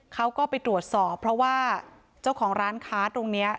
เขาก็ไปตรวจสอบเพราะว่าเจ้าของร้านค้าตรงนี้